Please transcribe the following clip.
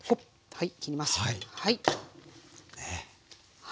はい。